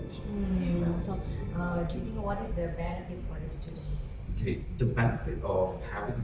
dan sekarang saya sudah bersama aiswarya yang merupakan lulusan raffles college di tahun dua ribu sembilan belas ini